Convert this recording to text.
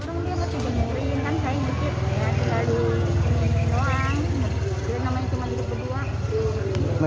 namanya cuma hidup kedua